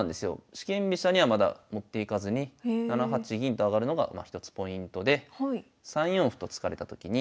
四間飛車にはまだ持っていかずに７八銀と上がるのが一つポイントで３四歩と突かれたときに。